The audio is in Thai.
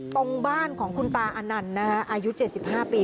ตรงบ้านของคุณตาอนันต์อายุ๗๕ปี